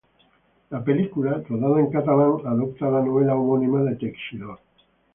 La película, rodada en catalán, adapta la novela homónima de Teixidor.